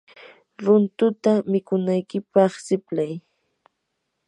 runtuta mikunaykipaq siplay.